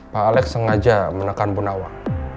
pak alek sengaja menekan bu nawang